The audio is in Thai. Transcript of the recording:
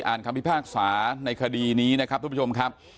คำพิพากษาในคดีนี้นะครับทุกผู้ชมครับ